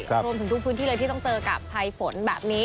รวมถึงทุกพื้นที่เลยที่ต้องเจอกับภัยฝนแบบนี้